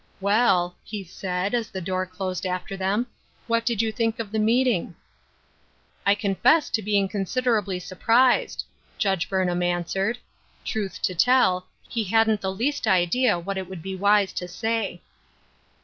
" Well," he said, as the door closed after them, " what did you think of the meeting ?" "1 confess to being considerably surprised," Judge Burnham answered. Truth to tell, he hadn't the least idea what it would be wise to say.